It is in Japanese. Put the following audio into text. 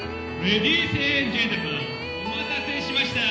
お待たせしました。